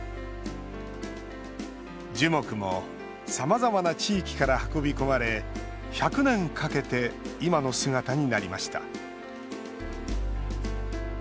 樹木も、さまざまな地域から運び込まれ１００年かけて今の姿になりました。